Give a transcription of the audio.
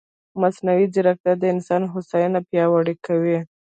مصنوعي ځیرکتیا د انسان هوساینه پیاوړې کوي.